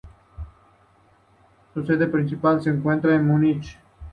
Su sede principal se encuentra en Múnich.